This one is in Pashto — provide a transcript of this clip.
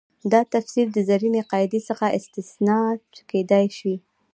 دا تفسیر د زرینې قاعدې څخه استنتاج کېدای شي.